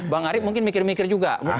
bang arief mungkin mikir mikir juga